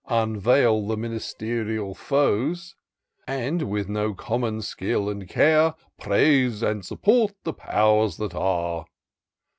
Unveil the ministerial foes ; And, with no common skill and care. Praise and support the powers that are.